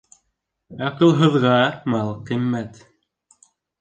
Аҡылһыҙға мал ҡиммәт.